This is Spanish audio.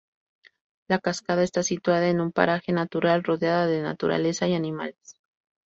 La cascada está situada en un paraje natural, rodeada de naturaleza y animales.